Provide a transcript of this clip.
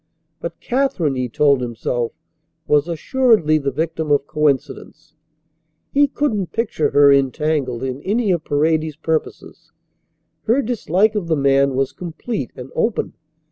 But Katherine, he told himself, was assuredly the victim of coincidence. He couldn't picture her entangled in any of Paredes's purposes. Her dislike of the man was complete and open.